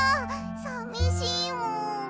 さみしいもん。